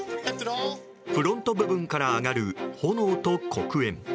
フロント部分から上がる炎と黒煙。